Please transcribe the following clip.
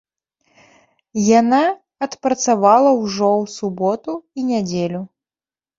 Яна адпрацавала ўжо ў суботу і нядзелю.